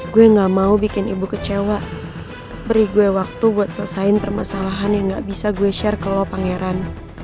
gue gak mau bikin ibu kecewa beri gue waktu buat selesaiin permasalahan yang gak bisa gue share ke lo pangeran